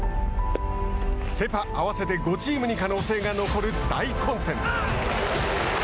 セ・パ合わせて５チームに可能性が残る大混戦。